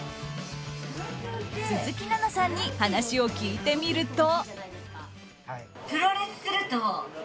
鈴木奈々さんに話を聞いてみると。